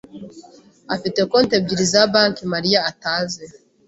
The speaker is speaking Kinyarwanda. afite konti ebyiri za banki Mariya atazi.